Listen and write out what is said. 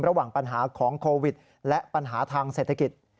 ระหว่างปัญหาของโควิดและปัญหาทางเศรษฐกิจ